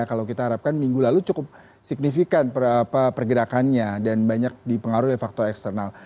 kalau kita harapkan minggu lalu cukup signifikan pergerakannya dan banyak dipengaruhi faktor eksternal